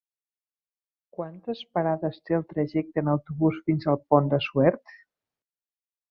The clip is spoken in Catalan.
Quantes parades té el trajecte en autobús fins al Pont de Suert?